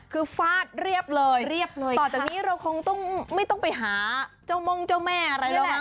คือฟาดเรียบเลยเรียบเลยต่อจากนี้เราคงต้องไม่ต้องไปหาเจ้าม่องเจ้าแม่อะไรแล้วนะ